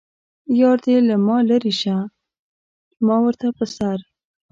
یار دې له ما لرې شه ما ورته په سر.